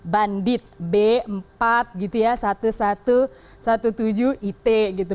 bandit b empat puluh satu ribu satu ratus tujuh belas it gitu ya